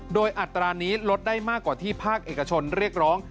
โดยอัตรานี้ลดได้มากกว่าที่ภาคเอกชนเรียกร้อง